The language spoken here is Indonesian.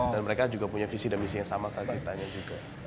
dan mereka juga punya visi dan misi yang sama kayak ditanya juga